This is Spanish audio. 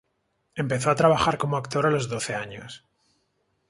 Empezó a trabajar como actor a los doce años.